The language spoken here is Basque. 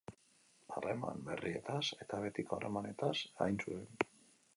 Harreman berrietaz eta betiko harremanetaz hain zuzen.